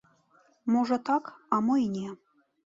Можа так, а мо й не.